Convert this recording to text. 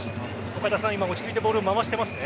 岡田さん、今落ち着いてボールを回していますね？